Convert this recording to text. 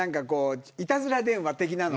いたずら電話的なの。